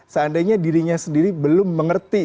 seandainya dirinya sendiri belum mengerti